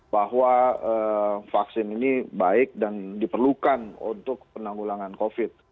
bahwa vaksin ini baik dan diperlukan untuk penanggulangan covid